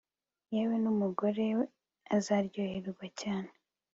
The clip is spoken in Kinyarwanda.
yewe n'umugore azaryoherwa cyane